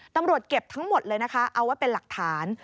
ตำรวจเก็บทั้งหมดเลยนะคะเอาไว้เป็นหลักฐาน